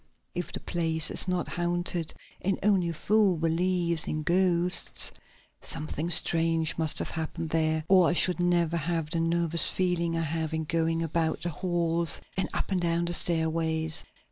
If the place is not haunted and only a fool believes in ghosts something strange must have happened there or I should never have the nervous feeling I have in going about the halls and up and down the stairways.